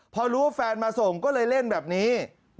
พอรู้ว่าแฟนมาส่งก็เลยเล่นแบบนี้